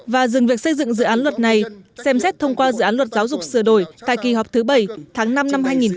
và dừng việc xây dựng dự án luật này xem xét thông qua dự án luật giáo dục sửa đổi tại kỳ họp thứ bảy tháng năm năm hai nghìn một mươi chín